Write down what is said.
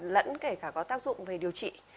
lẫn kể cả có tác dụng về điều trị